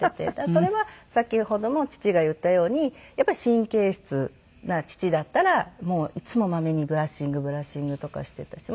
それは先ほども父が言ったようにやっぱり神経質な父だったらもういつもマメにブラッシングブラッシングとかしていたし。